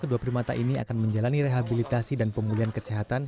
kedua primata ini akan menjalani rehabilitasi dan pemulihan kesehatan